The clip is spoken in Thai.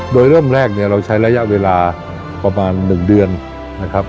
โดยเริ่มแรกเนี่ยเราใช้ระยะเวลาประมาณ๑เดือนนะครับ